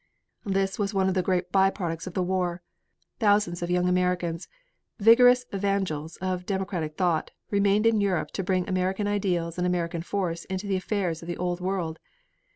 This was one of the great by products of the war. Thousands of young Americans, vigorous evangels of democratic thought, remained in Europe to bring American ideals and American force into the affairs of the old world.